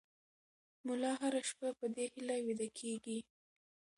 ملا هره شپه په دې هیله ویده کېږي.